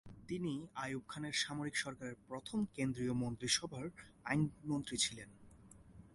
তিনি আইয়ুব খানের সামরিক সরকারের প্রথম কেন্দ্রীয় মন্ত্রিসভার আইনমন্ত্রী ছিলেন।